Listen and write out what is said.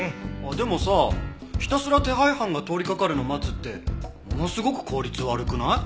でもさひたすら手配犯が通りかかるの待つってものすごく効率悪くない？